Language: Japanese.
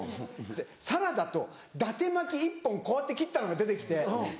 サラダとだて巻き１本こうやって切ったのが出て来て。